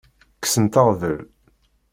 Kksent aɣbel.